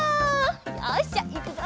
よしじゃあいくぞ！